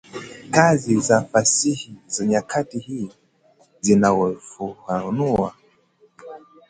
Kazi za fasihi za nyakati hizi zinafufua tu mtindo huu